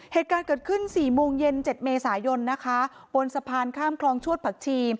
เหตุการณ์เกิดขึ้น๔โมงเย็น๗เมษายนนะคะบนสะพานข้ามคลองชวดผักชี